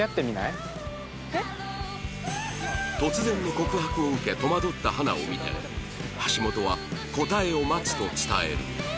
突然の告白を受け戸惑った花を見て橋本は「答えを待つ」と伝える